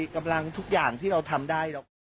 กำลังทุกอย่างที่เราทำได้เราก็